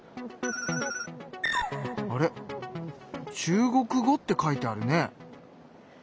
あれ「中国語」って書いてあるね？